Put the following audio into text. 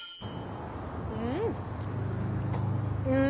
うん！